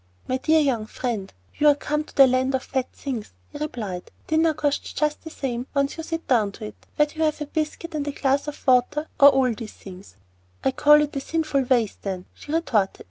"My dear young friend, you are come to the Land of Fat Things," he replied. "Dinner costs just the same, once you sit down to it, whether you have a biscuit and a glass of water, or all these things." "I call it a sinful waste, then," she retorted.